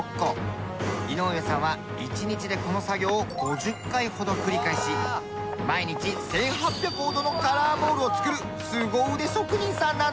井上さんは一日でこの作業を５０回ほど繰り返し毎日１８００個ほどのカラーボールを作るすご腕職人さんなんです。